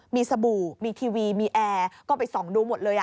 มีสบู่มีทีวีมีแอร์ก็ไปส่องดูหมดเลย